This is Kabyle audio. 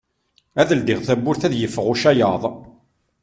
Ad ldiɣ tawwurt ad yeffeɣ ucayaḍ.